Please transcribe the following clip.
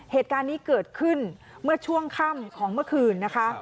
เหตุการณ์นี้เกิดขึ้นเมื่อช่วงค่ำของเมื่อคืนนะคะ